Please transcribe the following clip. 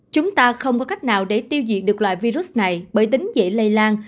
chúng ta không có cách nào để tiêu diệt được loại virus này bởi tính dễ lây lan